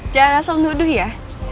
jangan asal nuduh ya